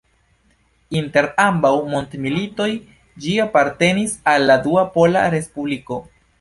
Inter ambaŭ mondmilitoj ĝi apartenis al la Dua Pola Respubliko.